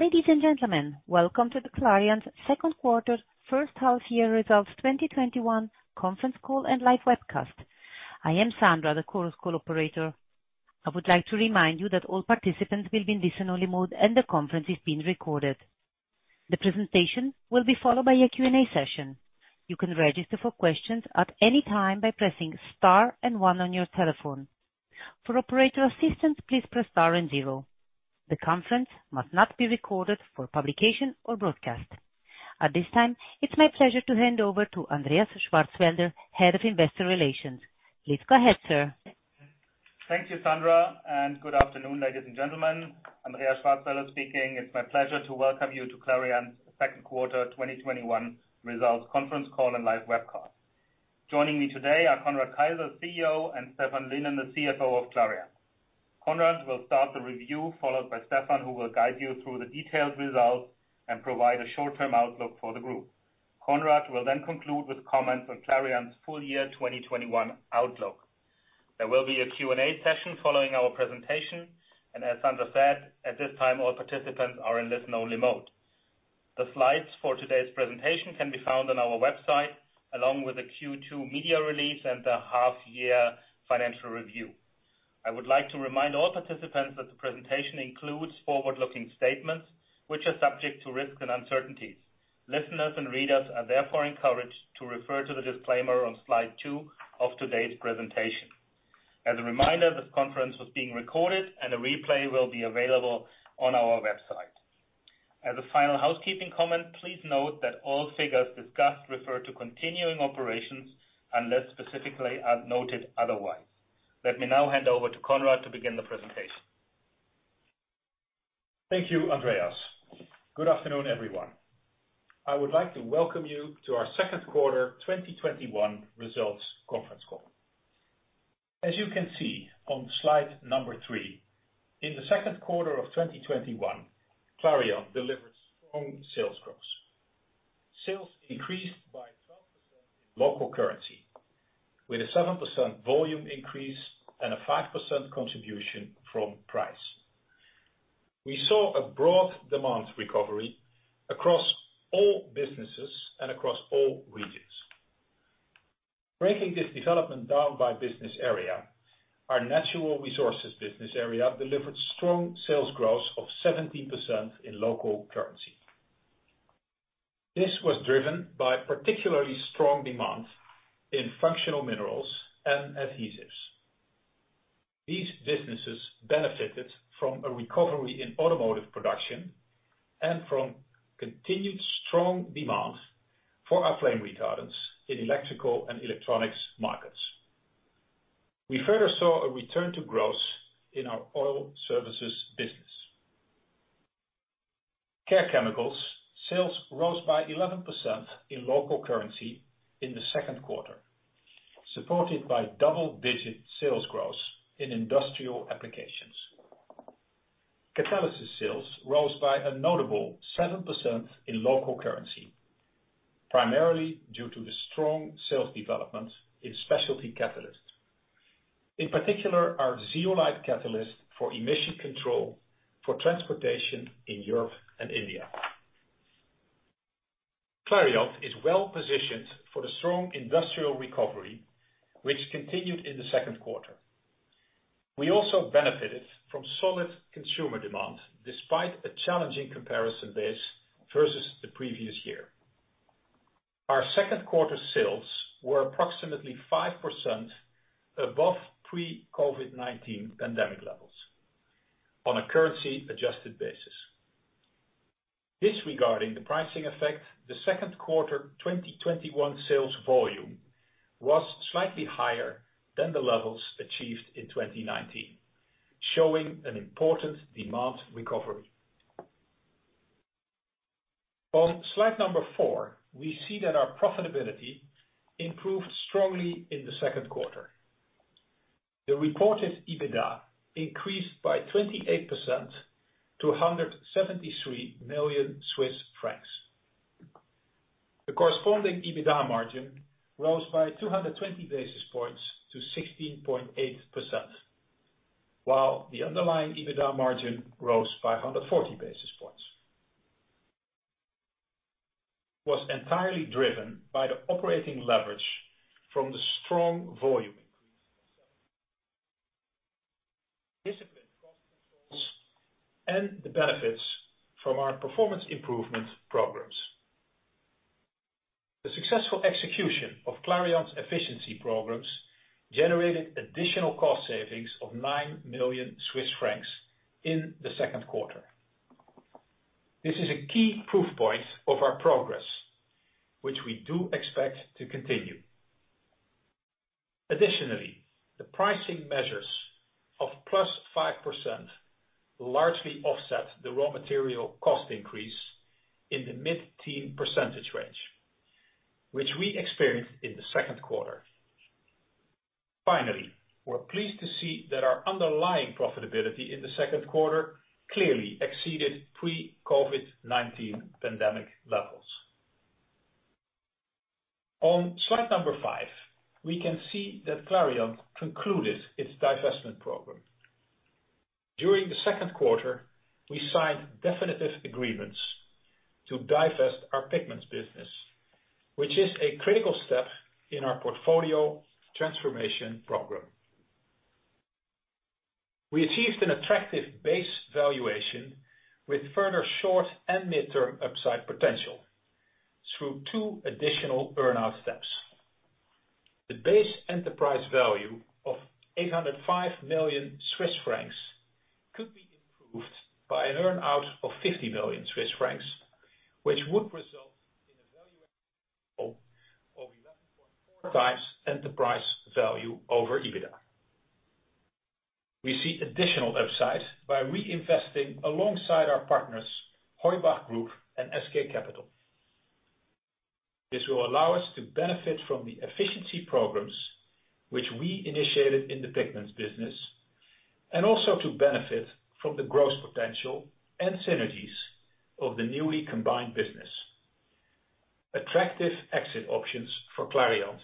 Ladies and gentlemen, welcome to the Clariant Second Quarter First Half Year Results 2021 conference call and live webcast. I am Sandra, the conference call operator. I would like to remind you that all participants will be in listen only mode and the conference is being recorded. The presentation will be followed by a Q&A session. You can register for questions at any time by pressing Star one on your telephone. For operator assistance, please press Star zero. The conference must not be recorded for publication or broadcast. At this time, it is my pleasure to hand over to Andreas Schwarzwälder, Head of Investor Relations. Please go ahead, sir. Thank you, Sandra, good afternoon, ladies and gentlemen. Andreas Schwarzwälder speaking. It's my pleasure to welcome you to Clariant's second quarter 2021 results conference call and live webcast. Joining me today are Conrad Keijzer, CEO, and Stephan Lynen, the CFO of Clariant. Conrad will start the review, followed by Stephan, who will guide you through the detailed results and provide a short-term outlook for the group. Conrad will then conclude with comments on Clariant's full-year 2021 outlook. There will be a Q&A session following our presentation, and as Sandra said, at this time, all participants are in listen only mode. The slides for today's presentation can be found on our website, along with the Q2 media release and the half-year financial review. I would like to remind all participants that the presentation includes forward-looking statements which are subject to risks and uncertainties. Listeners and readers are therefore encouraged to refer to the disclaimer on slide 2 of today's presentation. As a reminder, this conference is being recorded and a replay will be available on our website. As a final housekeeping comment, please note that all figures discussed refer to continuing operations unless specifically noted otherwise. Let me now hand over to Conrad to begin the presentation. Thank you, Andreas. Good afternoon, everyone. I would like to welcome you to our second quarter 2021 results conference call. As you can see on slide number 3, in the second quarter of 2021, Clariant delivered strong sales growth. Sales increased by 12% in local currency with a 7% volume increase and a 5% contribution from price. We saw a broad demand recovery across all businesses and across all regions. Breaking this development down by business area, our Natural Resources business area delivered strong sales growth of 17% in local currency. This was driven by particularly strong demand in Functional Minerals and Additives. These businesses benefited from a recovery in automotive production and from continued strong demand for our flame retardants in electrical and electronics markets. We further saw a return to growth in our Oil services business. Care Chemicals sales rose by 11% in local currency in the second quarter, supported by double-digit sales growth in industrial applications. Catalysis sales rose by a notable 7% in local currency, primarily due to the strong sales development in specialty catalysts. In particular, our zeolite catalyst for emission control for transportation in Europe and India. Clariant is well-positioned for the strong industrial recovery, which continued in the second quarter. We also benefited from solid consumer demand despite a challenging comparison base versus the previous year. Our second quarter sales were approximately 5% above pre-COVID-19 pandemic levels on a currency adjusted basis. Disregarding the pricing effect, the second quarter 2021 sales volume was slightly higher than the levels achieved in 2019, showing an important demand recovery. On slide number 4, we see that our profitability improved strongly in the second quarter. The reported EBITDA increased by 28% to 173 million Swiss francs. The corresponding EBITDA margin rose by 220 basis points to 16.8%, while the underlying EBITDA margin rose by 140 basis points. Was entirely driven by the operating leverage from the strong volume increase discipline, cost controls, and the benefits from our performance improvement programs. The successful execution of Clariant's efficiency programs generated additional cost savings of 9 million Swiss francs in the second quarter. This is a key proof point of our progress, which we do expect to continue. Additionally, the pricing measures of plus 5% largely offset the raw material cost increase in the mid-teen percentage range, which we experienced in the second quarter. Finally, we're pleased to see that our underlying profitability in the second quarter clearly exceeded pre-COVID-19 pandemic levels. On slide number 5, we can see that Clariant concluded its divestment program. During the second quarter, we signed definitive agreements to divest our pigments business, which is a critical step in our portfolio transformation program. We achieved an attractive base valuation with further short and mid-term upside potential through two additional earn out steps. The base enterprise value of 805 million Swiss francs could be improved by an earn-out of 50 million Swiss francs, which would result in a valuation of 11.4x enterprise value over EBITDA. We see additional upside by reinvesting alongside our partners Heubach Group and SK Capital. This will allow us to benefit from the efficiency programs which we initiated in the pigments business, and also to benefit from the growth potential and synergies of the newly combined business. Attractive exit options for Clariant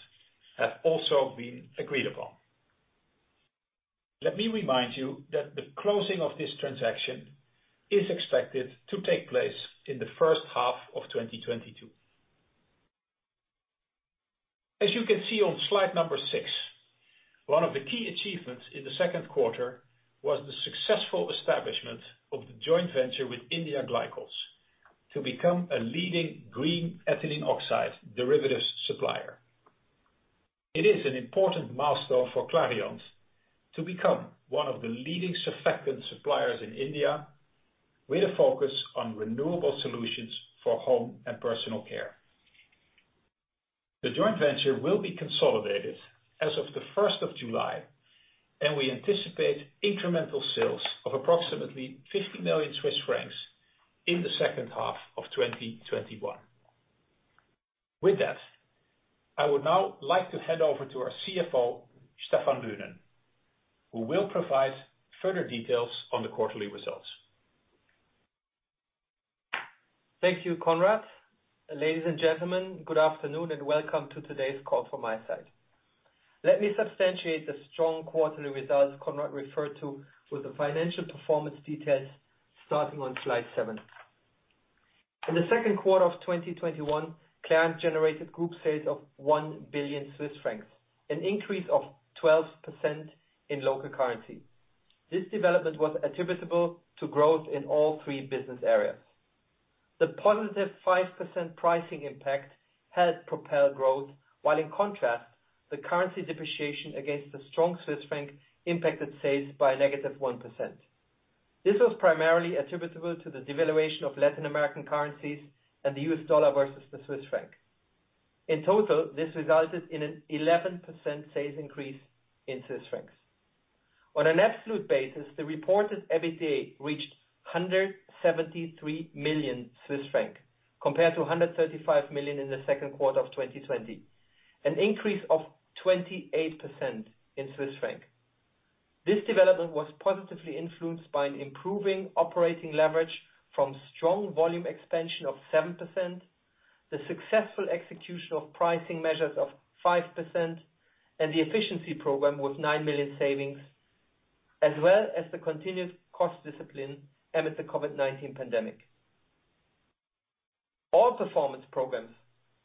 have also been agreed upon. Let me remind you that the closing of this transaction is expected to take place in the first half of 2022. As you can see on slide number 6, one of the key achievements in the second quarter was the successful establishment of the joint venture with India Glycols to become a leading green ethylene oxide derivatives supplier. It is an important milestone for Clariant to become one of the leading surfactant suppliers in India, with a focus on renewable solutions for home and personal care. The joint venture will be consolidated as of the 1st of July, and we anticipate incremental sales of approximately 50 million Swiss francs in the second half of 2021. With that, I would now like to hand over to our CFO, Stephan Lynen, who will provide further details on the quarterly results. Thank you, Conrad. Ladies and gentlemen, good afternoon and welcome to today's call from my side. Let me substantiate the strong quarterly results Conrad referred to with the financial performance details starting on slide 7. In the second quarter of 2021, Clariant generated group sales of 1 billion Swiss francs, an increase of 12% in local currency. This development was attributable to growth in all 3 business areas. The positive 5% pricing impact helped propel growth, while in contrast, the currency depreciation against the strong Swiss franc impacted sales by a negative 1%. This was primarily attributable to the devaluation of Latin American currencies and the U.S. dollar versus the Swiss franc. In total, this resulted in an 11% sales increase in Swiss francs. On an absolute basis, the reported EBITDA reached 173 million Swiss franc, compared to 135 million in the 2nd quarter of 2020, an increase of 28% in CHF. This development was positively influenced by an improving operating leverage from strong volume expansion of 7%, the successful execution of pricing measures of 5%, and the efficiency program with 9 million savings, as well as the continued cost discipline amidst the COVID-19 pandemic. All performance programs,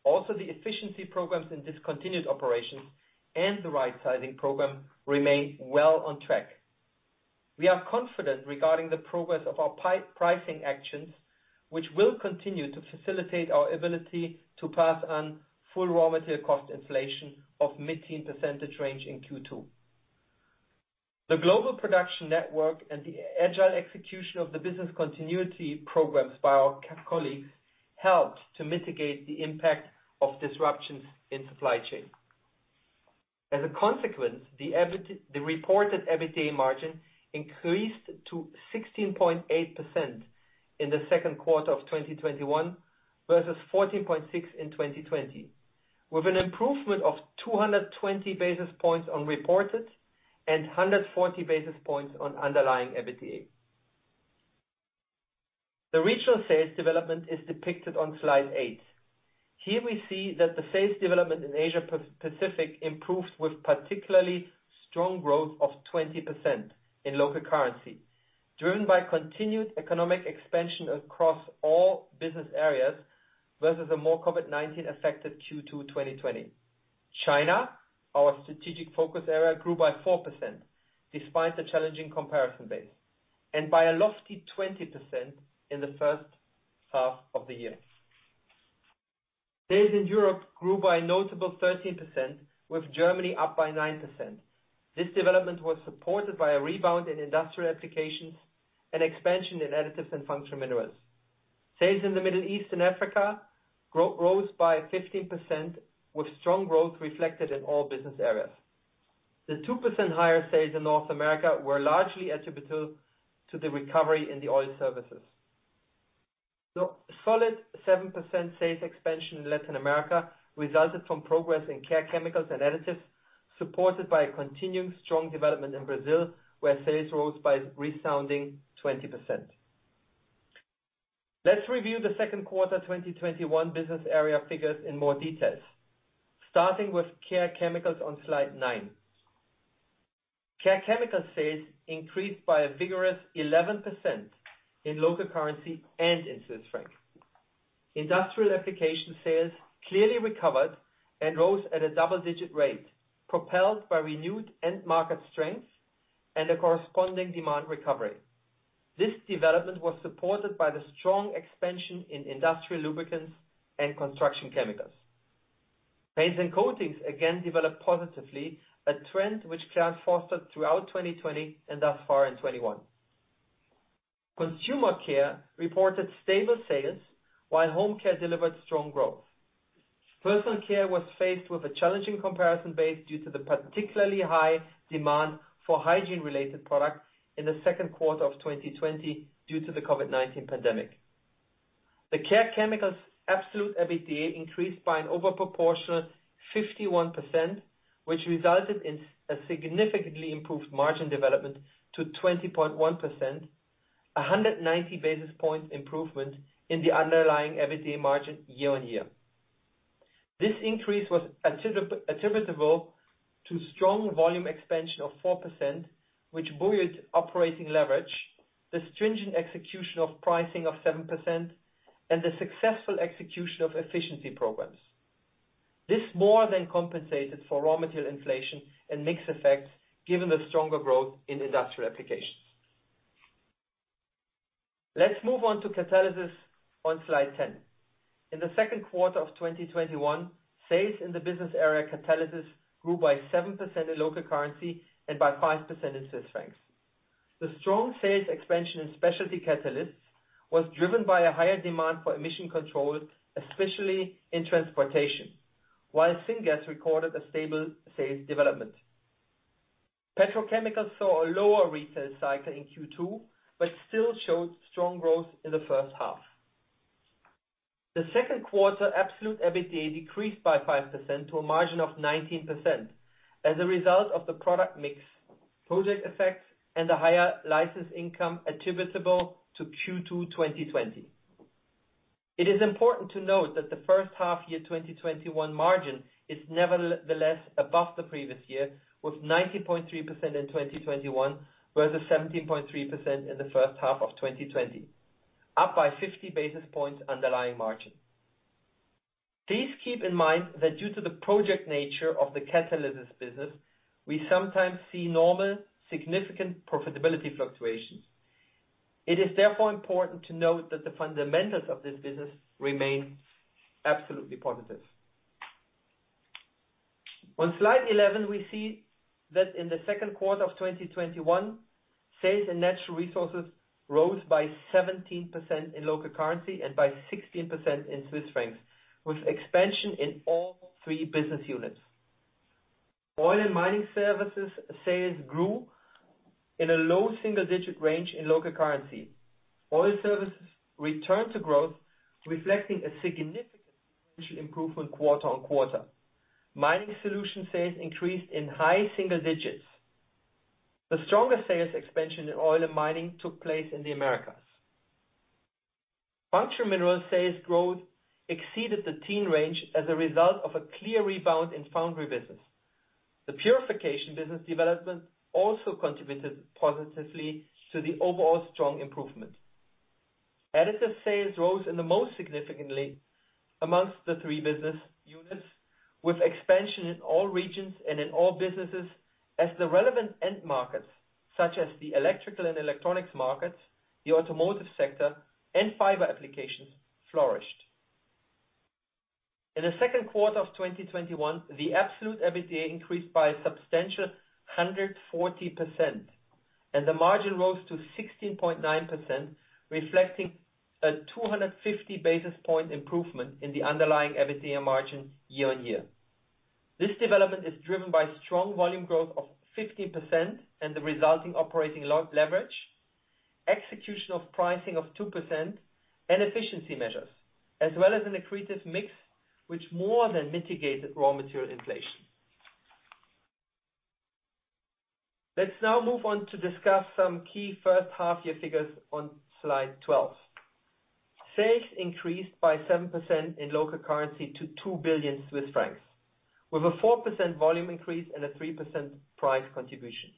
also the efficiency programs in discontinued operations and the rightsizing program, remain well on track. We are confident regarding the progress of our pricing actions, which will continue to facilitate our ability to pass on full raw material cost inflation of mid-teen percentage range in Q2. The global production network and the agile execution of the business continuity programs by our colleagues helped to mitigate the impact of disruptions in supply chain. As a consequence, the reported EBITDA margin increased to 16.8% in the second quarter of 2021 versus 14.6% in 2020, with an improvement of 220 basis points on reported and 140 basis points on underlying EBITDA. The regional sales development is depicted on slide 8. Here we see that the sales development in Asia Pacific improved with particularly strong growth of 20% in local currency, driven by continued economic expansion across all business areas versus a more COVID-19 affected Q2 2020. China, our strategic focus area, grew by 4%, despite the challenging comparison base, and by a lofty 20% in the first half of the year. Sales in Europe grew by a notable 13%, with Germany up by 9%. This development was supported by a rebound in industrial applications and expansion in Additives and Functional Minerals. Sales in the Middle East and Africa rose by 15%, with strong growth reflected in all business areas. The 2% higher sales in North America were largely attributable to the recovery in the oil services. The solid 7% sales expansion in Latin America resulted from progress in Care Chemicals and Additives, supported by a continuing strong development in Brazil, where sales rose by a resounding 20%. Let's review the second quarter 2021 business area figures in more details, starting with Care Chemicals on slide 9. Care Chemicals sales increased by a vigorous 11% in local currency and in Swiss franc. Industrial application sales clearly recovered and rose at a double-digit rate, propelled by renewed end market strength and a corresponding demand recovery. This development was supported by the strong expansion in industrial lubricants and construction chemicals. Paints and coatings, again, developed positively, a trend which Clariant fostered throughout 2020 and thus far in 2021. Consumer care reported stable sales, while home care delivered strong growth. Personal care was faced with a challenging comparison base due to the particularly high demand for hygiene-related products in the second quarter of 2020, due to the COVID-19 pandemic. The Care Chemicals absolute EBITDA increased by an over proportional 51%, which resulted in a significantly improved margin development to 20.1%, 190 basis points improvement in the underlying EBITDA margin year-on-year. This increase was attributable to strong volume expansion of 4%, which buoyed operating leverage, the stringent execution of pricing of 7%, and the successful execution of efficiency programs. This more than compensated for raw material inflation and mix effects, given the stronger growth in industrial applications. Let's move on to Catalysis on slide 10. In the second quarter of 2021, sales in the business area Catalysis grew by 7% in local currency and by 5% in Swiss francs. The strong sales expansion in specialty catalysts was driven by a higher demand for emission control, especially in transportation, while syngas recorded a stable sales development. Petrochemicals saw a lower retail cycle in Q2, but still showed strong growth in the first half. The second quarter absolute EBITDA decreased by 5% to a margin of 19%, as a result of the product mix, project effects, and the higher license income attributable to Q2 2020. It is important to note that the first half year 2021 margin is nevertheless above the previous year, with 19.3% in 2021, whereas the 17.3% in the first half of 2020, up by 50 basis points underlying margin. Please keep in mind that due to the project nature of the Catalysis business, we sometimes see normal, significant profitability fluctuations. It is therefore important to note that the fundamentals of this business remain absolutely positive. On slide 11, we see that in the second quarter of 2021, sales in Natural Resources rose by 17% in local currency and by 16% in CHF, with expansion in all three business units. Oil and Mining Services sales grew in a low single-digit range in local currency. Oil services returned to growth, reflecting a significant improvement quarter-over-quarter. Mining solution sales increased in high single digits. The stronger sales expansion in Oil and Mining took place in the Americas. Functional Minerals sales growth exceeded the teen range as a result of a clear rebound in foundry business. The purification business development also contributed positively to the overall strong improvement. Additives sales rose in the most significantly amongst the 3 business units, with expansion in all regions and in all businesses as the relevant end markets, such as the electrical and electronics markets, the automotive sector, and fiber applications flourished. In the second quarter of 2021, the absolute EBITDA increased by a substantial 140%, and the margin rose to 16.9%, reflecting a 250 basis point improvement in the underlying EBITDA margin year-on-year. This development is driven by strong volume growth of 15% and the resulting operating leverage, execution of pricing of 2%, and efficiency measures, as well as an accretive mix, which more than mitigated raw material inflation. Let's now move on to discuss some key first half-year figures on slide 12. Sales increased by 7% in local currency to 2 billion Swiss francs, with a 4% volume increase and a 3% price contribution.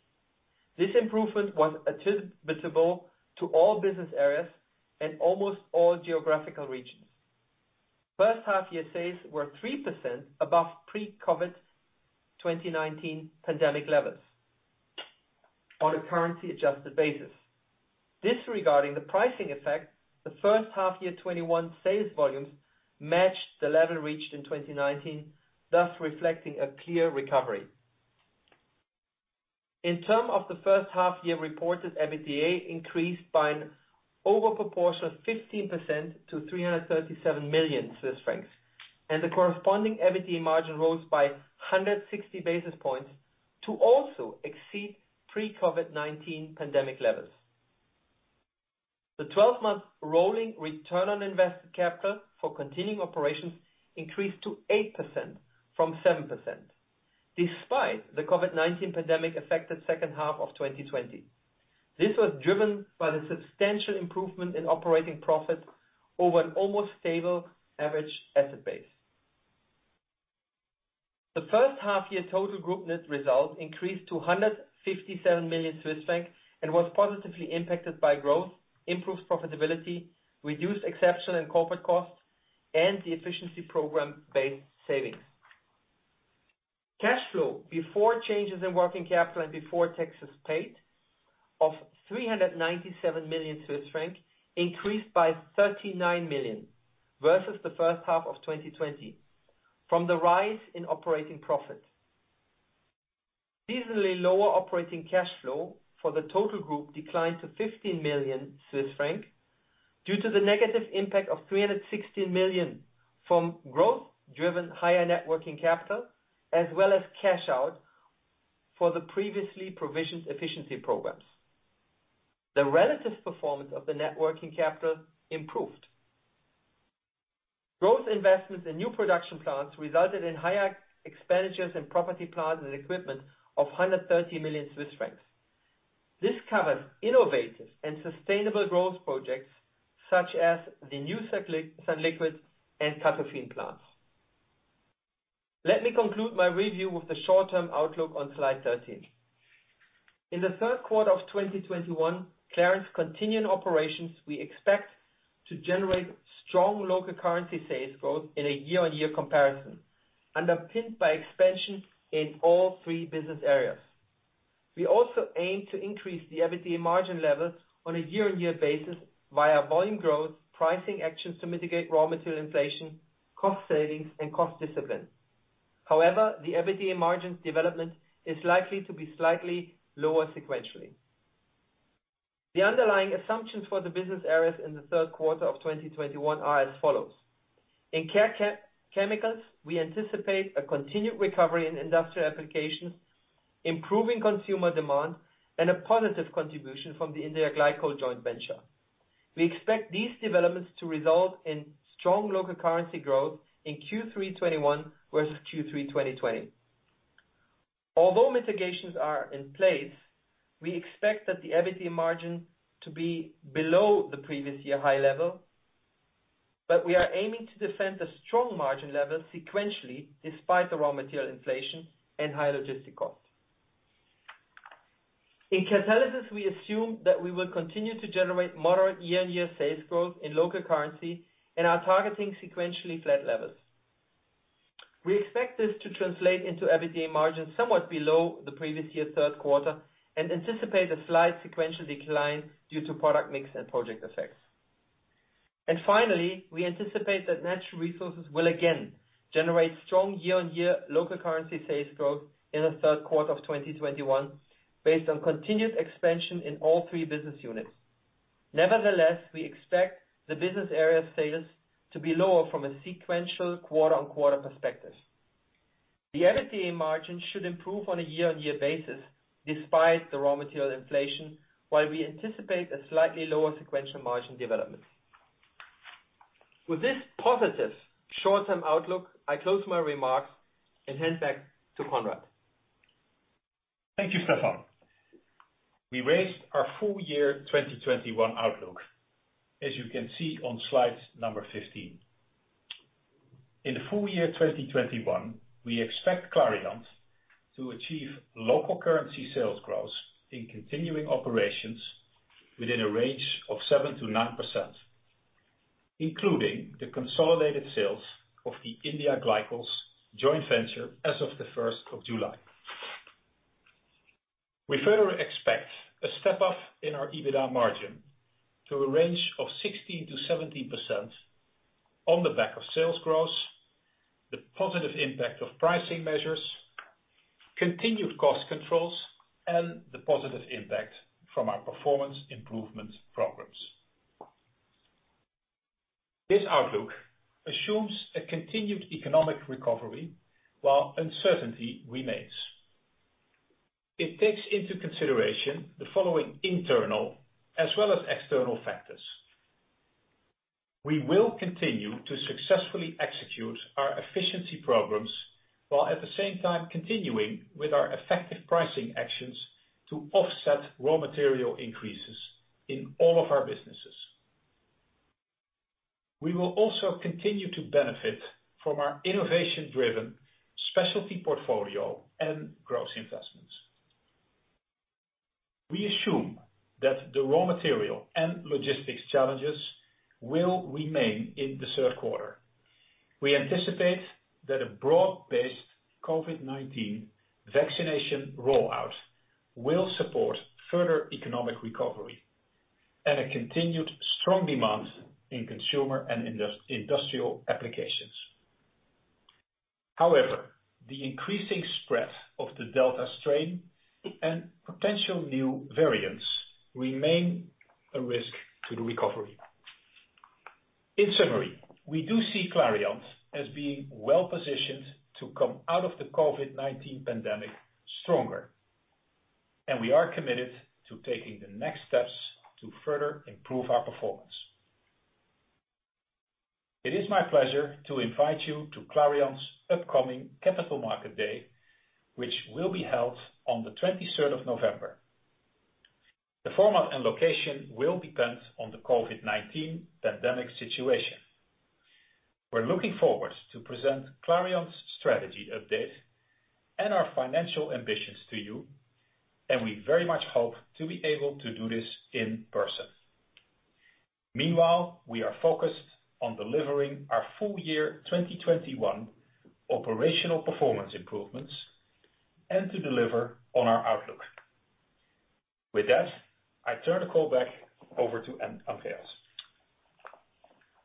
This improvement was attributable to all business areas and almost all geographical regions. First half-year sales were 3% above pre-COVID 2019 pandemic levels on a currency-adjusted basis. Disregarding the pricing effect, the first half-year 2021 sales volumes matched the level reached in 2019, thus reflecting a clear recovery. In terms of the first half-year reported, EBITDA increased by an over proportional 15% to 337 million Swiss francs, and the corresponding EBITDA margin rose by 160 basis points to also exceed pre-COVID-19 pandemic levels. The 12-month rolling return on invested capital for continuing operations increased to 8% from 7%. Despite the COVID-19 pandemic affected second half of 2020. This was driven by the substantial improvement in operating profit over an almost stable average asset base. The first half year total group net result increased to 157 million Swiss francs and was positively impacted by growth, improved profitability, reduced exceptional and corporate costs, and the efficiency program-based savings. Cash flow before changes in working capital and before taxes paid of 397 million Swiss franc increased by 39 million versus the first half of 2020, from the rise in operating profit. Seasonally lower operating cash flow for the total group declined to 15 million Swiss franc due to the negative impact of 316 million from growth-driven higher networking capital as well as cash out for the previously provisioned efficiency programs. The relative performance of the networking capital improved. Growth investments in new production plants resulted in higher expenditures in property, plant, and equipment of 130 million Swiss francs. This covers innovative and sustainable growth projects such as the new sunliquid and CATOFIN plants. Let me conclude my review with the short-term outlook on slide 13. In the third quarter of 2021, Clariant's continuing operations, we expect to generate strong local currency sales growth in a year-on-year comparison, underpinned by expansion in all three business areas. We also aim to increase the EBITDA margin levels on a year-on-year basis via volume growth, pricing actions to mitigate raw material inflation, cost savings, and cost discipline. However, the EBITDA margins development is likely to be slightly lower sequentially. The underlying assumptions for the business areas in the third quarter of 2021 are as follows. In Care Chemicals, we anticipate a continued recovery in industrial applications, improving consumer demand, and a positive contribution from the India Glycols joint venture. We expect these developments to result in strong local currency growth in Q3 '21 versus Q3 2020. Although mitigations are in place, we expect that the EBITDA margin to be below the previous year high level, but we are aiming to defend a strong margin level sequentially despite the raw material inflation and higher logistic costs. In Catalysis, we assume that we will continue to generate moderate year-on-year sales growth in local currency and are targeting sequentially flat levels. We expect this to translate into EBITDA margins somewhat below the previous year third quarter and anticipate a slight sequential decline due to product mix and project effects. Finally, we anticipate that Natural Resources will again generate strong year-on-year local currency sales growth in the third quarter of 2021 based on continued expansion in all three business units. Nevertheless, we expect the business area sales to be lower from a sequential quarter-on-quarter perspective. The EBITDA margin should improve on a year-on-year basis despite the raw material inflation, while we anticipate a slightly lower sequential margin development. With this positive short-term outlook, I close my remarks and hand back to Conrad. Thank you, Stephan. We raised our full-year 2021 outlook, as you can see on slide number 15. In the full-year 2021, we expect Clariant to achieve local currency sales growth in continuing operations within a range of 7%-9%, including the consolidated sales of the India Glycols joint venture as of the 1st of July. We further expect a step up in our EBITDA margin to a range of 16%-17% on the back of sales growth, the positive impact of pricing measures, continued cost controls, and the positive impact from our performance improvement programs. This outlook assumes a continued economic recovery while uncertainty remains. It takes into consideration the following internal as well as external factors. We will continue to successfully execute our efficiency programs while at the same time continuing with our effective pricing actions to offset raw material increases in all of our businesses. We will also continue to benefit from our innovation-driven specialty portfolio and growth investments. We assume that the raw material and logistics challenges will remain in the third quarter. We anticipate that a broad-based COVID-19 vaccination rollout will support further economic recovery and a continued strong demand in consumer and industrial applications. However, the increasing spread of the Delta strain and potential new variants remain a risk to the recovery. In summary, we do see Clariant as being well-positioned to come out of the COVID-19 pandemic stronger, and we are committed to taking the next steps to further improve our performance. It is my pleasure to invite you to Clariant's upcoming Capital Market Day, which will be held on the 23rd of November. The format and location will depend on the COVID-19 pandemic situation. We're looking forward to present Clariant's strategy update and our financial ambitions to you, and we very much hope to be able to do this in person. Meanwhile, we are focused on delivering our full year 2021 operational performance improvements and to deliver on our outlook. With that, I turn the call back over to Andreas.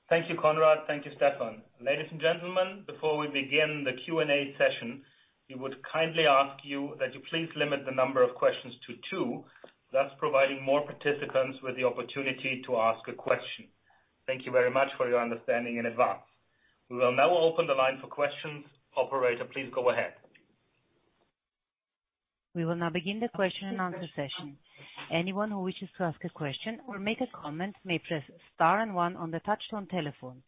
Thank you, Conrad. Thank you, Stephan. Ladies and gentlemen, before we begin the Q&A session, we would kindly ask you that you please limit the number of questions to 2, thus providing more participants with the opportunity to ask a question. Thank you very much for your understanding in advance. We will now open the line for questions. Operator, please go ahead. We will now begin the question and answer session. Anyone who wishes to ask a question or make a comment may press star and one on the touch-tone telephone.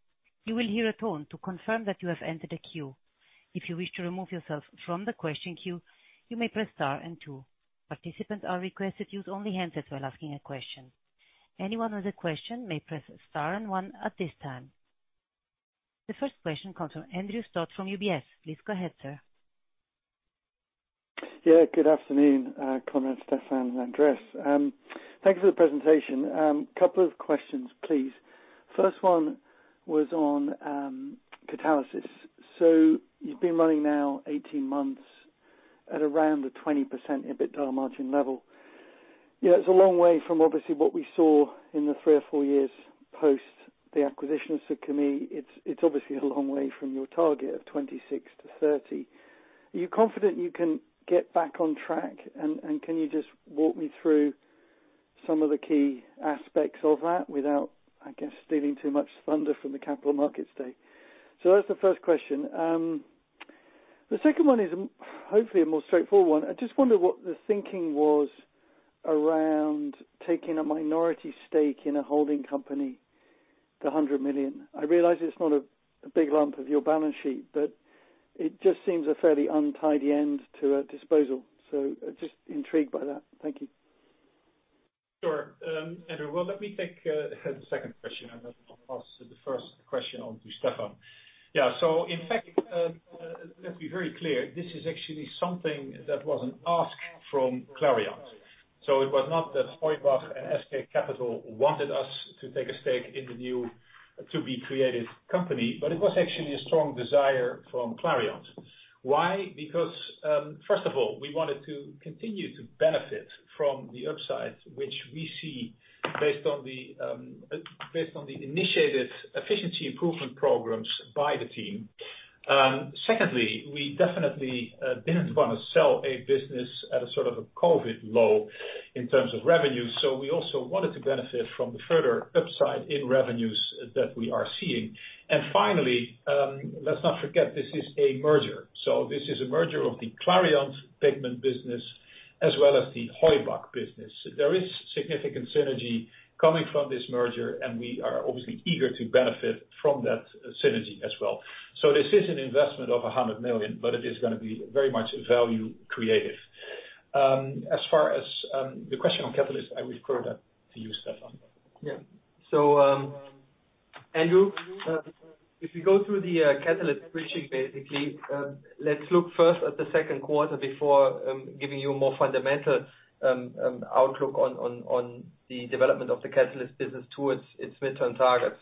You will hear a tone to confirm that you have entered a queue. If you wish to remove yourself from the question queue, you may press star and two. Participants are requested use only handsets while asking a question. Anyone with a question may press star and one at this time. The first question comes from Andrew Stott from UBS. Please go ahead, sir. Good afternoon, Conrad, Stephan, and Andreas. Thank you for the presentation. Couple of questions, please. First one was on Catalysis. You've been running now 18 months at around a 20% EBITDA margin level. It's a long way from obviously what we saw in the three or four years post the acquisition of Süd-Chemie. It's obviously a long way from your target of 26%-30%. Are you confident you can get back on track? Can you just walk me through some of the key aspects of that without, I guess, stealing too much thunder from the Capital Market Day? That's the first question. The second one is hopefully a more straightforward one. I just wonder what the thinking was around taking a minority stake in a holding company to 100 million. I realize it's not a big lump of your balance sheet, but it just seems a fairly untidy end to a disposal. Just intrigued by that. Thank you. Sure. Andrew, well, let me take the second question and then I'll pass the first question on to Stephan. Yeah. In fact, let's be very clear, this is actually something that was an ask from Clariant. It was not that Heubach and SK Capital wanted us to take a stake in the new to-be-created company, but it was actually a strong desire from Clariant. Why? Because, first of all, we wanted to continue to benefit from the upside, which we see based on the initiated efficiency improvement programs by the team. Secondly, we definitely didn't want to sell a business at a sort of a COVID low in terms of revenue. We also wanted to benefit from the further upside in revenues that we are seeing. Finally, let's not forget this is a merger. This is a merger of the Clariant pigment business as well as the Heubach Group business. There is significant synergy coming from this merger, and we are obviously eager to benefit from that synergy as well. This is an investment of 100 million, but it is going to be very much value creative. As far as the question on Catalysis, I will throw that to you, Stephan Lynen. Yeah. Andrew, if you go through the Catalysis briefing, basically, let's look first at the 2nd quarter before giving you a more fundamental outlook on the development of the Catalysis business towards its midterm targets.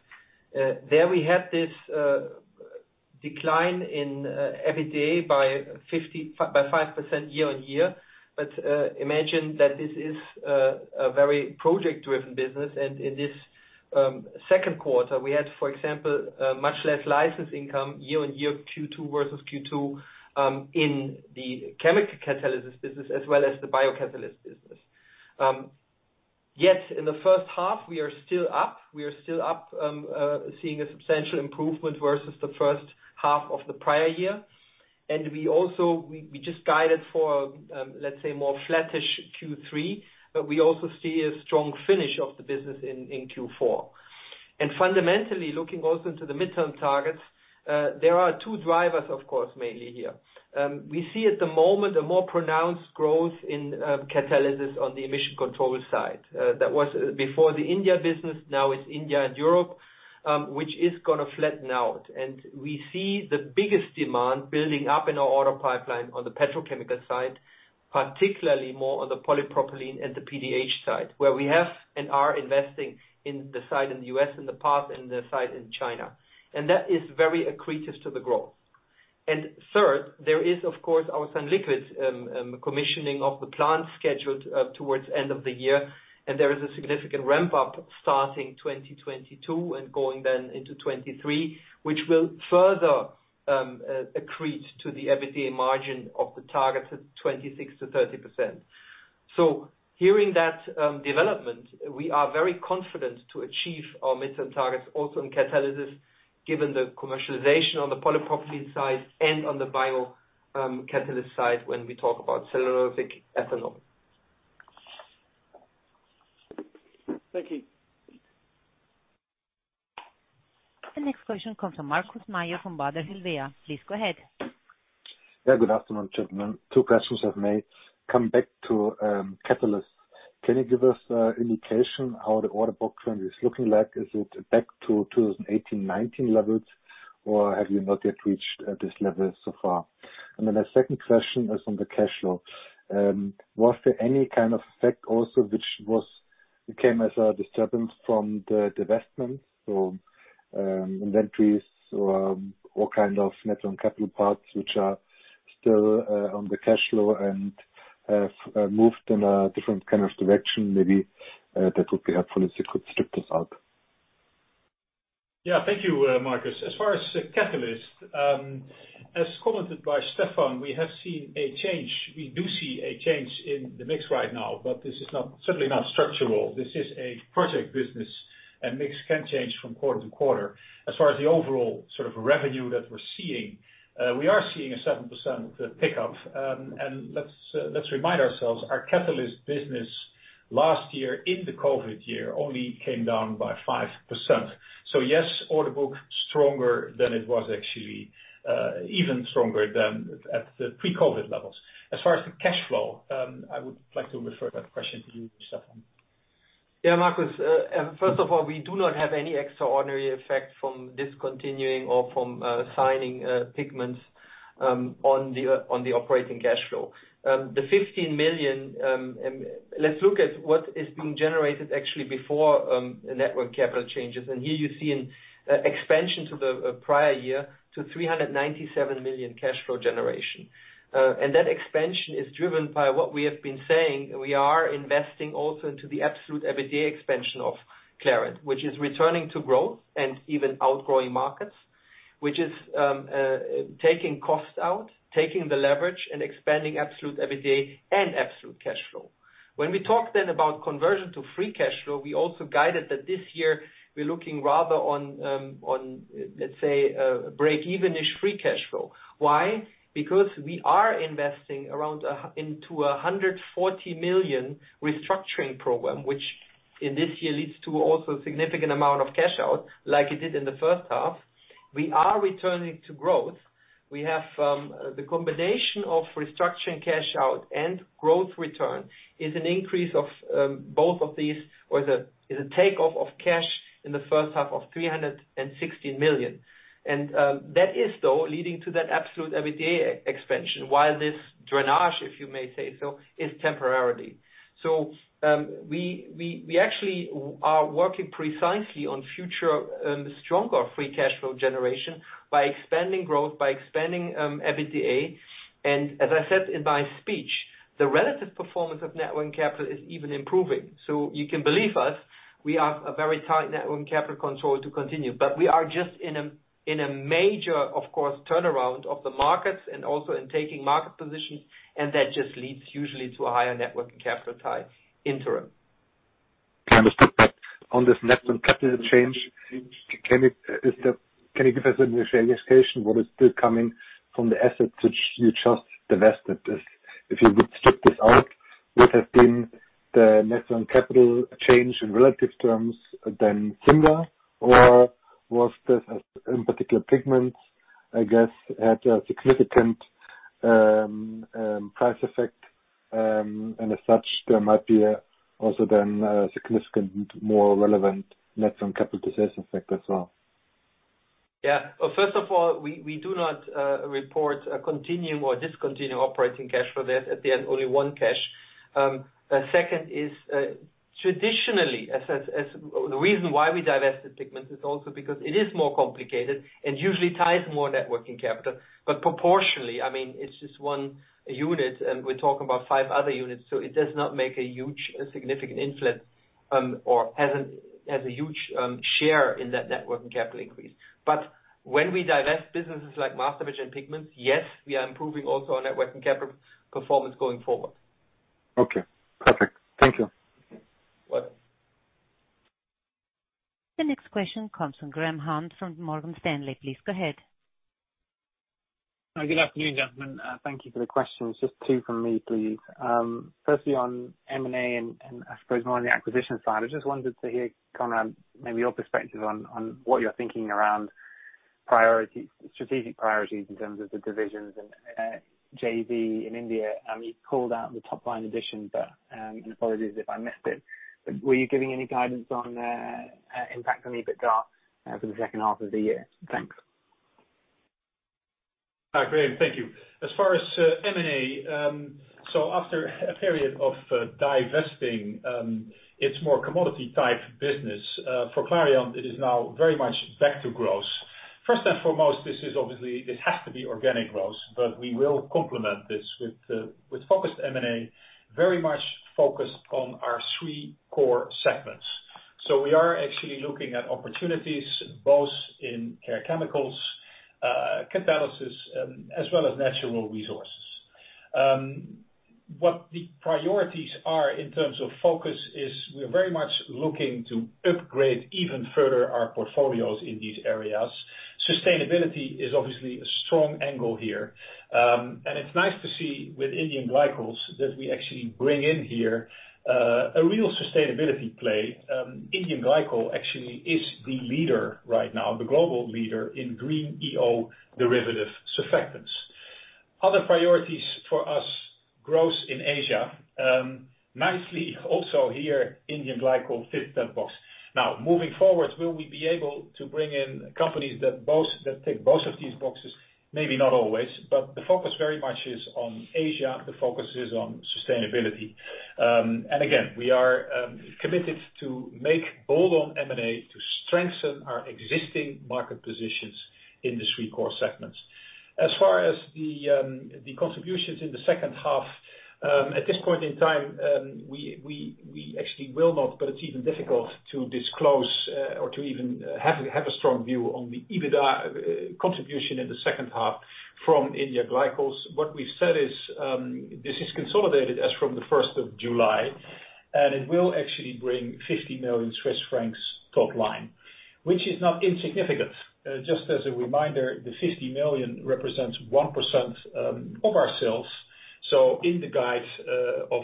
There we had this decline in EBITDA by 5% year-on-year. Imagine that this is a very project-driven business. In this second quarter, we had, for example, much less license income year-on-year Q2 versus Q2, in the chemical Catalysis business as well as the biocatalyst business. Yet, in the 1st half, we are still up. We are still up seeing a substantial improvement versus the 1st half of the prior year. We just guided for, let's say, more flattish Q3. We also see a strong finish of the business in Q4. Fundamentally, looking also into the midterm targets, there are 2 drivers, of course, mainly here. We see at the moment a more pronounced growth in Catalysis on the emission control side. That was before the India business. Now it's India and Europe, which is going to flatten out. We see the biggest demand building up in our order pipeline on the petrochemical side, particularly more on the polypropylene and the PDH side, where we have and are investing in the site in the U.S. and the path and the site in China. That is very accretive to the growth. Third, there is, of course, our sunliquid commissioning of the plant scheduled towards end of the year, and there is a significant ramp-up starting 2022 and going then into 2023, which will further accrete to the EBITDA margin of the target to 26%-30%. Hearing that development, we are very confident to achieve our midterm targets also in Catalysis, given the commercialization on the polypropylene side and on the biocatalyst side when we talk about cellulosic ethanol. Thank you. The next question comes from Markus Mayer from Baader Helvea. Please go ahead. Yeah, good afternoon, gentlemen. 2 questions if I may. Come back to catalysts. Can you give us an indication how the order book trend is looking like? Is it back to 2018, 2019 levels, or have you not yet reached this level so far? The second question is on the cash flow. Was there any kind of effect also, which came as a disturbance from the divestment? Inventories or what kind of net working capital parts, which are still on the cash flow and have moved in a different kind of direction, maybe? That would be helpful if you could strip this out. Yeah. Thank you, Markus. As far as catalyst, as commented by Stephan, we have seen a change. We do see a change in the mix right now. This is certainly not structural. This is a project business. Mix can change from quarter to quarter. As far as the overall sort of revenue that we're seeing, we are seeing a 7% pickup. Let's remind ourselves, our catalyst business last year, in the COVID year, only came down by 5%. Yes, order book stronger than it was actually, even stronger than at the pre-COVID levels. As far as the cash flow, I would like to refer that question to you, Stephan. Yeah, Markus. First of all, we do not have any extraordinary effect from discontinuing or from signing pigments on the operating cash flow. The 15 million, let's look at what is being generated actually before net working capital changes. Here you see an expansion to the prior year to 397 million cash flow generation. That expansion is driven by what we have been saying, we are investing also into the absolute EBITDA expansion of Clariant, which is returning to growth and even outgrowing markets, which is taking costs out, taking the leverage, and expanding absolute EBITDA and absolute cash flow. When we talk then about conversion to free cash flow, we also guided that this year we're looking rather on, let's say, a breakeven-ish free cash flow. Why? We are investing around into 140 million restructuring program, which in this year leads to also significant amount of cash out like it did in the first half. We are returning to growth. We have the combination of restructuring cash out and growth return is an increase of both of these, or is a takeoff of cash in the first half of 316 million. That is though leading to that absolute EBITDA expansion, while this drainage, if you may say so, is temporarily. We actually are working precisely on future stronger free cash flow generation by expanding growth, by expanding EBITDA. As I said in my speech, the relative performance of net working capital is even improving. You can believe us, we are a very tight net working capital control to continue. We are just in a major, of course, turnaround of the markets and also in taking market positions, and that just leads usually to a higher net working capital tie interim. Understood. On this net working capital change, can you give us an illustration what is still coming from the assets which you just divested? If you would strip this out, would have been the net working capital change in relative terms, then similar? Was this in particular pigments, I guess, had a significant price effect, and as such there might be also then a significant more relevant net working capital decision effect as well. First of all, we do not report a continue or discontinue operating cash flow there. At the end, only 1 cash. Traditionally, the reason why we divested Pigments is also because it is more complicated and usually ties more net working capital. Proportionally, it's just 1 unit and we're talking about 5 other units, so it does not make a huge significant influence or has a huge share in that net working capital increase. When we divest businesses like Masterbatches and Pigments, yes, we are improving also our net working capital performance going forward. Okay. Perfect. Thank you. Welcome. The next question comes from Graham Hunt from Morgan Stanley. Please go ahead. Good afternoon, gentlemen. Thank you for the questions. Just 2 from me, please. Firstly, on M&A and I suppose more on the acquisition side, I just wanted to hear, Conrad, maybe your perspective on what you're thinking around strategic priorities in terms of the divisions and JV in India. You called out the top-line additions, and apologies if I missed it, but were you giving any guidance on impact on EBITDA for the second half of the year? Thanks. Hi, Graham. Thank you. As far as M&A, after a period of divesting its more commodity type business, for Clariant it is now very much back to growth. First and foremost, this has to be organic growth, but we will complement this with focused M&A, very much focused on our three core segments. We are actually looking at opportunities both in Care Chemicals, Catalysis, as well as Natural Resources. What the priorities are in terms of focus is we're very much looking to upgrade even further our portfolios in these areas. Sustainability is obviously a strong angle here. And it's nice to see with India Glycols that we actually bring in here a real sustainability play. India Glycols actually is the leader right now, the global leader in green EO derivative surfactants. Other priorities for us, growth in Asia. Nicely also here, India Glycols fits that box. Now, moving forward, will we be able to bring in companies that take both of these boxes? Maybe not always, but the focus very much is on Asia, the focus is on sustainability. Again, we are committed to make bold on M&A to strengthen our existing market positions in these three core segments. As far as the contributions in the second half, at this point in time, we actually will not, but it's even difficult to disclose or to even have a strong view on the EBITDA contribution in the second half from India Glycols. What we've said is, this is consolidated as from the 1st of July, and it will actually bring 50 million Swiss francs top line, which is not insignificant. Just as a reminder, the 50 million represents 1% of our sales. In the guides of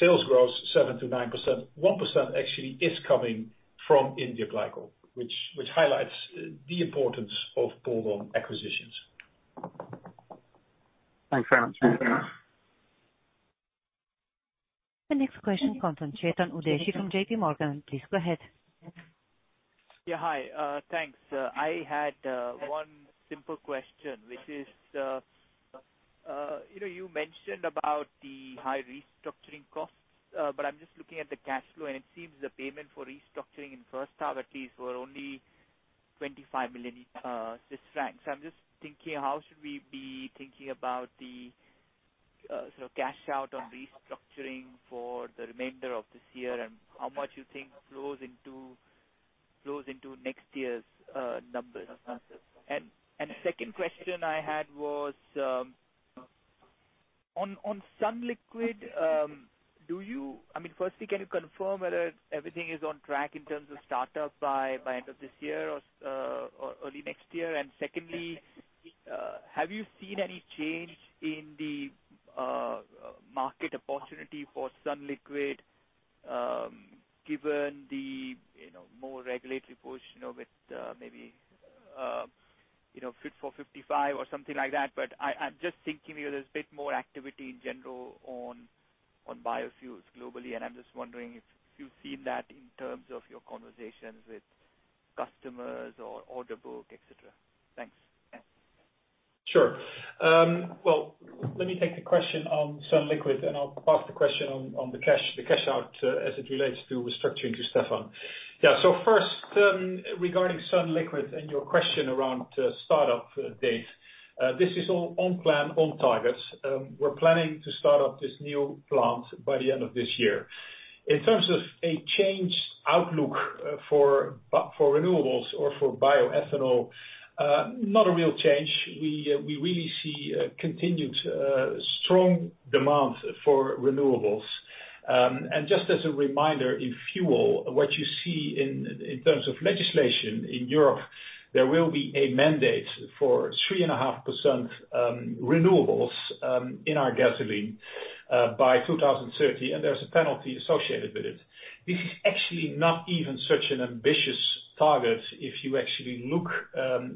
sales growth 7%-9%, 1% actually is coming from India Glycols, which highlights the importance of bolt-on acquisitions. Thanks very much. The next question comes from Chetan Udeshi from JPMorgan. Please go ahead. Yeah. Hi, thanks. I had one simple question. You mentioned about the high restructuring costs. I'm just looking at the cash flow, and it seems the payment for restructuring in first half at least were only 25 million franc. I'm just thinking, how should we be thinking about the cash out on restructuring for the remainder of this year, and how much you think flows into next year's numbers? Second question I had was, on sunliquid, firstly, can you confirm whether everything is on track in terms of startup by end of this year or early next year? Secondly, have you seen any change in the market opportunity for sunliquid, given the more regulatory push, with maybe Fit for 55 or something like that? I'm just thinking there's a bit more activity in general on biofuels globally, and I'm just wondering if you've seen that in terms of your conversations with customers or order book, et cetera. Thanks. Sure. Well, let me take the question on sunliquid, and I'll pass the question on the cash out as it relates to restructuring to Stephan. Yeah. First, regarding sunliquid and your question around startup date. This is all on plan, on target. We're planning to start up this new plant by the end of this year. In terms of a changed outlook for renewables or for bioethanol, not a real change. We really see a continued strong demand for renewables. Just as a reminder, in fuel, what you see in terms of legislation in Europe, there will be a mandate for 3.5% renewables in our gasoline by 2030, and there's a penalty associated with it. This is actually not even such an ambitious target if you actually look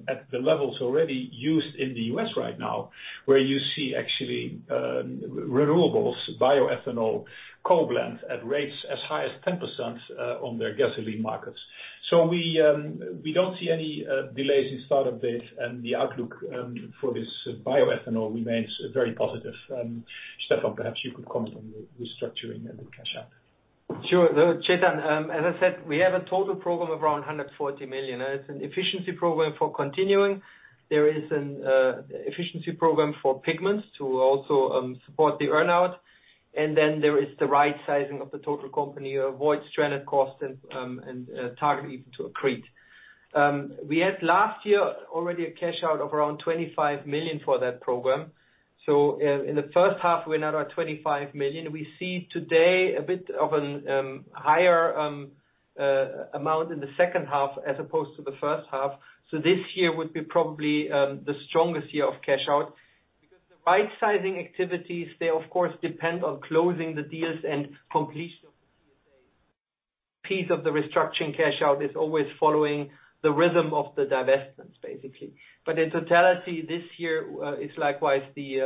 at the levels already used in the U.S. right now, where you see actually renewables, bioethanol, coal blends at rates as high as 10% on their gasoline markets. We don't see any delays in startup dates, and the outlook for this bioethanol remains very positive. Stephan, perhaps you could comment on the restructuring and the cash out. Sure. Chetan, as I said, we have a total program of around 140 million. It's an efficiency program for continuing. There is an efficiency program for pigments to also support the earn-out. Then there is the right sizing of the total company to avoid stranded costs and target even to accrete. We had last year already a cash out of around 25 million for that program. In the first half, we're now at 25 million. We see today a bit of a higher amount in the second half as opposed to the first half. This year would be probably the strongest year of cash out, because the right sizing activities, they of course depend on closing the deals and completion of the TSA. Piece of the restructuring cash out is always following the rhythm of the divestments, basically. In totality, this year is likewise the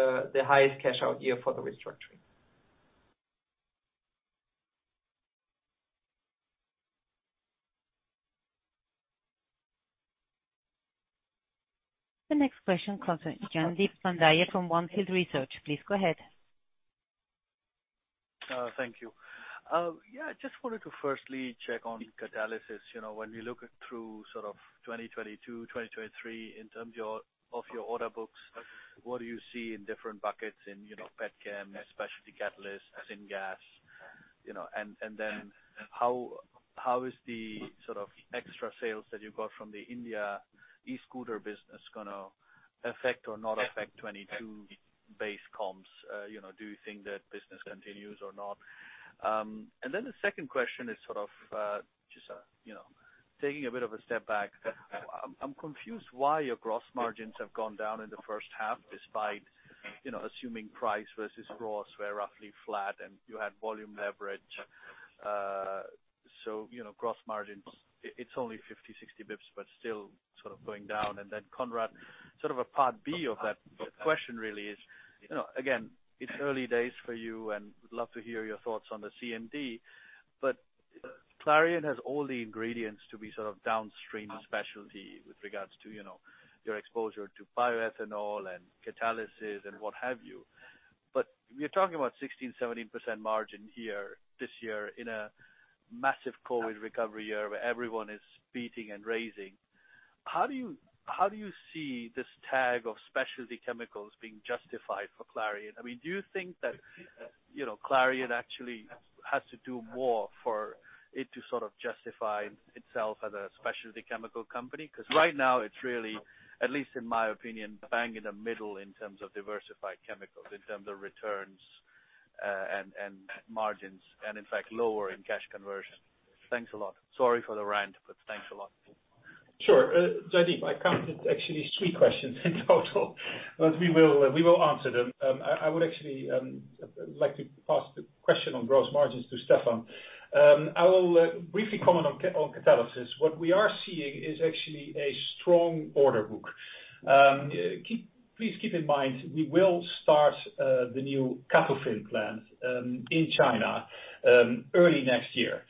highest cash out year for the restructuring. The next question comes from Jaideep Pandya from On Field Investment Research. Please go ahead. Thank you. Yeah, just wanted to firstly check on Catalysis. When you look through 2022, 2023, in terms of your order books, what do you see in different buckets in pet chem, specialty catalyst, syngas? How is the extra sales that you got from the India e-scooter business going to affect or not affect 2022 base comps. Do you think that business continues or not? The second question is sort of just taking a bit of a step back. I'm confused why your gross margins have gone down in the first half, despite assuming price versus gross were roughly flat and you had volume leverage. Gross margins, it's only 50, 60 basis points, but still sort of going down. Then, Conrad, sort of a part B of that question really is, again, it's early days for you, and would love to hear your thoughts on the CMD, but Clariant has all the ingredients to be sort of downstream specialty with regards to your exposure to bioethanol and Catalysis and what have you. We are talking about 16%, 17% margin here this year in a massive COVID recovery year, where everyone is beating and raising. How do you see this tag of specialty chemicals being justified for Clariant? I mean, do you think that Clariant actually has to do more for it to sort of justify itself as a specialty chemical company? Right now it's really, at least in my opinion, bang in the middle in terms of diversified chemicals, in terms of returns and margins, and in fact, lower in cash conversion. Thanks a lot. Sorry for the rant, but thanks a lot. Sure. Jaideep, I counted actually it's 3 questions in total but we will answer them. I would actually like to pass the question on gross margins to Stephan. I will briefly comment on Catalysis. What we are seeing is actually a strong order book. Please keep in mind, we will start the new CATOFIN plant in China early next year.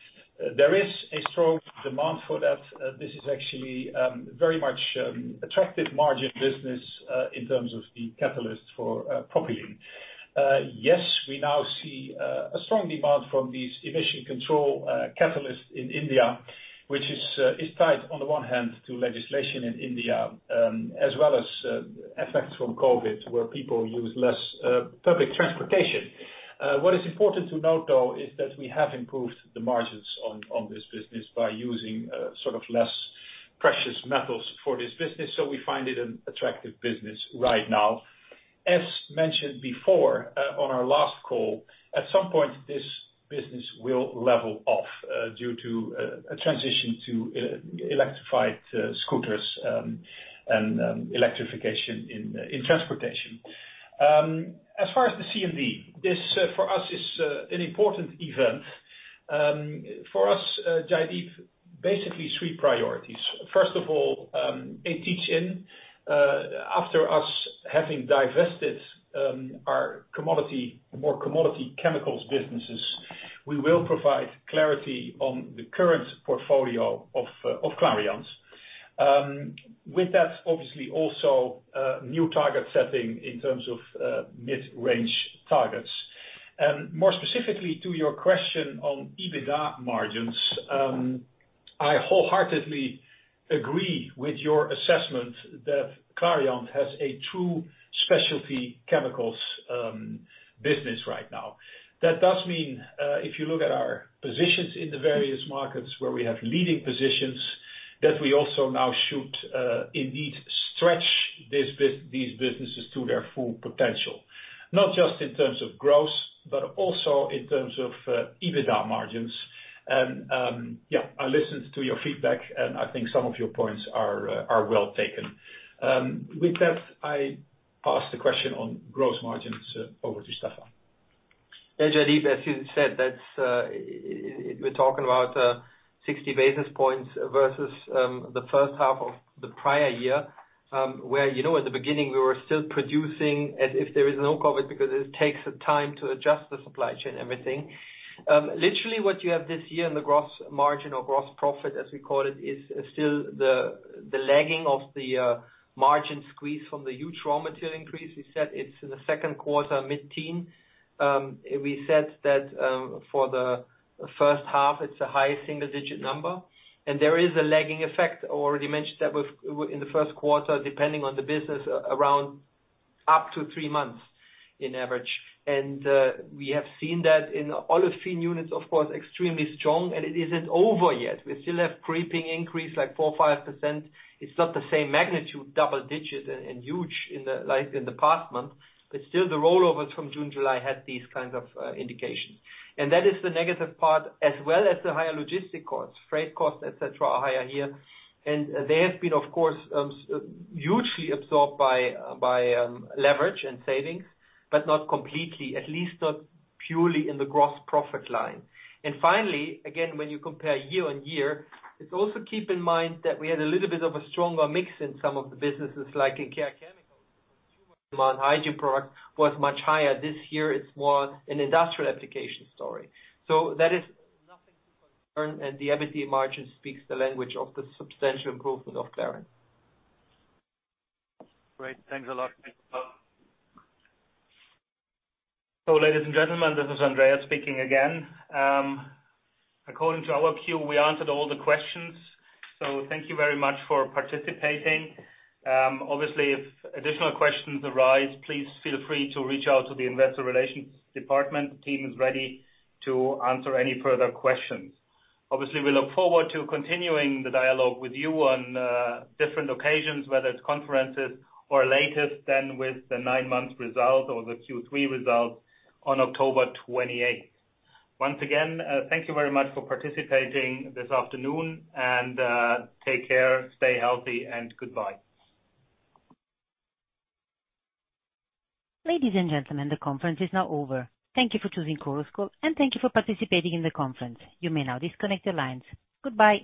There is a strong demand for that. This is actually very much attractive margin business, in terms of the catalyst for propylene. Yes, we now see a strong demand from these emission control catalysts in India, which is tied on the one hand to legislation in India, as well as effects from COVID, where people use less public transportation. What is important to note, though, is that we have improved the margins on this business by using sort of less precious metals for this business. We find it an attractive business right now. As mentioned before, on our last call, at some point this business will level off due to a transition to electrified scooters and electrification in transportation. As far as the CMD, this for us is an important event. For us, Jaideep, basically three priorities. First of all, ATN, after us having divested our more commodity chemicals businesses, we will provide clarity on the current portfolio of Clariant. With that, obviously also a new target setting in terms of mid-range targets. More specifically to your question on EBITDA margins, I wholeheartedly agree with your assessment that Clariant has a true specialty chemicals business right now. That does mean, if you look at our positions in the various markets where we have leading positions, that we also now should indeed stretch these businesses to their full potential, not just in terms of gross, but also in terms of EBITDA margins. Yeah, I listened to your feedback, and I think some of your points are well taken. With that, I pass the question on gross margins over to Stephan. Jaideep, as you said, we're talking about 60 basis points versus the first half of the prior year, where at the beginning we were still producing as if there is no COVID, because it takes time to adjust the supply chain and everything. Literally what you have this year in the gross margin or gross profit as we call it, is still the lagging of the margin squeeze from the huge raw material increase. We said it's in the second quarter mid-teen. We said that for the first half it's the highest single digit number. There is a lagging effect, I already mentioned that, in the first quarter, depending on the business, around up to 3 months in average. We have seen that in olefin units, of course, extremely strong, and it isn't over yet. We still have creeping increase like 4%, 5%. It's not the same magnitude, double-digit and huge like in the past month. Still the rollovers from June, July had these kinds of indications. That is the negative part as well as the higher logistic costs, freight costs, et cetera, are higher here. They have been, of course, hugely absorbed by leverage and savings, but not completely, at least not purely in the gross profit line. Finally, again, when you compare year-over-year, it's also keep in mind that we had a little bit of a stronger mix in some of the businesses, like in Care Chemicals, demand hygiene product was much higher. This year it's more an industrial application story. That is nothing to be concerned, and the EBITDA margin speaks the language of the substantial improvement of Clariant. Great. Thanks a lot. Ladies and gentlemen, this is Andreas speaking again. According to our queue, we answered all the questions. Thank you very much for participating. Obviously, if additional questions arise, please feel free to reach out to the investor relations department. The team is ready to answer any further questions. Obviously, we look forward to continuing the dialogue with you on different occasions, whether it's conferences or latest than with the 9 months result or the Q3 result on October 28th. Once again, thank you very much for participating this afternoon, and take care, stay healthy and goodbye. Ladies and gentlemen, the conference is now over. Thank you for choosing Chorus Call, and thank you for participating in the conference. You may now disconnect your lines. Goodbye.